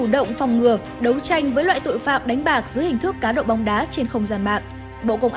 đối tranh với loại tội phạm đánh bạc dưới hình thức cá độ bóng đá trên không gian mạng bộ công